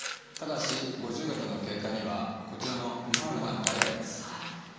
ただし五十肩の経過にはこちらの３つの段階があります。